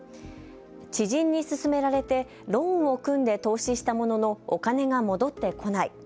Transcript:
知人に勧められてローンを組んで投資したもののお金が戻ってこない。